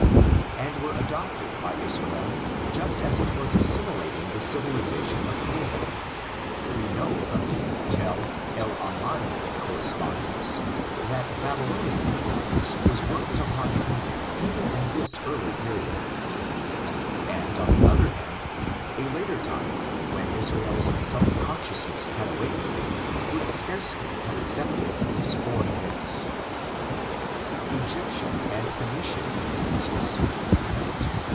and were adopted by Israel just as it was assimilat ing the civilisation of Canaan. We know from the Tell el Amarna correspondence that Babylonian influence was working upon Canaan even in this early period; and on the other hand, a later time, THE LEGENDS IN ORAL TRADITION. 91 when Israel's self consciousness had awakened, would scarcely have accepted these foreign myths. EGYPTIAN AND PHOENICIAN INFLUENCES.